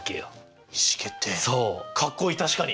かっこいい確かに！